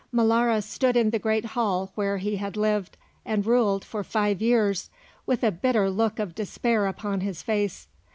Molara stood in the great hall where he had lived and ruled for five years with a bitter look of despair upon his face.